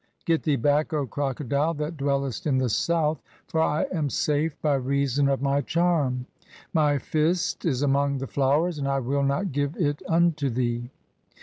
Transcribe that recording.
(6) "Get thee back, O Crocodile that dwellest in the South, for 'I am safe by reason of mv charm ; my fist is among the flowers 'and I will not give it unto thee."